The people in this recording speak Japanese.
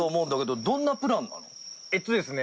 えっとですね